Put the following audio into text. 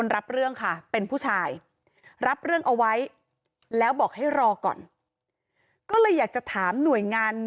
รับเรื่องเอาไว้แล้วบอกให้รอก่อนก็เลยอยากจะถามหน่วยงาน